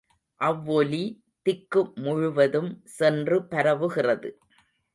அவ்வொலி திக்கு முழுவதும் சென்று பரவுகிறது.